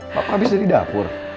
papa habisnya di dapur